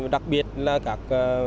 đặc biệt là các